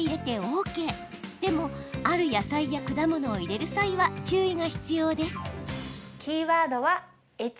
でもある野菜や果物を入れる際は注意が必要です。